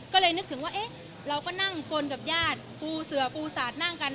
ก็เลยนึกถึงว่าร่างคนกับญาติก็นังผู้สอยด์ก็นั่งกัน